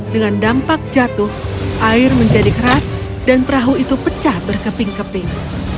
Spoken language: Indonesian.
dengan dampak jatuh air menjadi keras dan perahu itu pecah berkeping keping